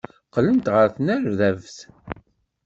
Qqlent ɣer tnerdabt.